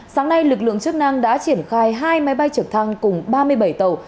sáng nay lực lượng chức năng đã triển khai hai máy bay trực thăng cùng ba mươi bảy tàu